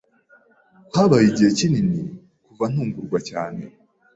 Habaye igihe kinini kuva ntungurwa cyane.